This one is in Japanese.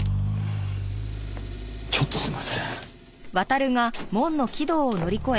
ちょっとすいません。